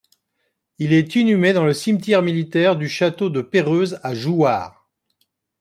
Il est inhumé dans le cimetière militaire du Château de Perreuse à Jouarre.